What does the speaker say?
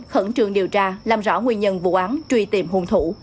khẩn trương điều tra làm rõ nguyên nhân vụ án tri tìm hôn thủ